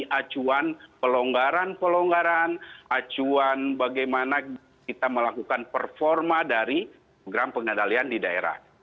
jadi acuan pelonggaran pelonggaran acuan bagaimana kita melakukan performa dari program pengadalian di daerah